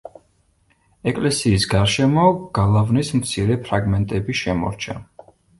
ეკლესიის გარშემო გალავნის მცირე ფრაგმენტები შემორჩა.